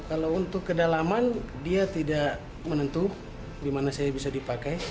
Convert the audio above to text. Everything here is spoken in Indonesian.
kalau untuk kedalaman dia tidak menentu di mana saya bisa dipakai